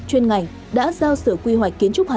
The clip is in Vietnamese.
chuyên ngành đã giao sửa quy hoạch kiến trúc